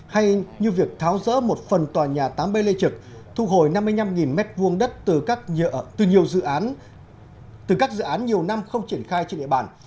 hay như việc tháo rỡ một phần tòa nhà tám b lê trực thu hồi năm mươi năm m hai đất từ các dự án nhiều năm không triển khai trên địa bàn